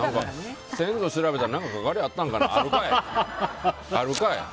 先祖調べたらゆかりあったのかなあるかい！